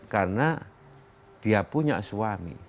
karena dia punya suami